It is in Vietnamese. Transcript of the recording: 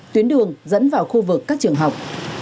tuyến đường dẫn vào khu vực các trường học